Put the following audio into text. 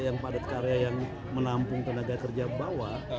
yang padat karya yang menampung tenaga kerja bawah